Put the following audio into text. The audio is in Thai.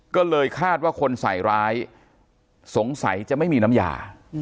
ก็เลยคาดว่าคนใส่ร้ายสงสัยจะไม่มีน้ำยา